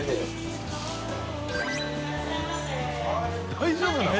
大丈夫なん？